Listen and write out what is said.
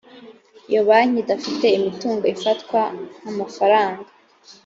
iyo banki idafite imitungo ifatwa nk amafaranga